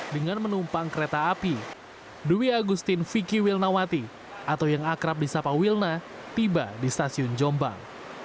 dengan menumpang kereta api dwi agustin vicky wilnawati atau yang akrab di sapa wilna tiba di stasiun jombang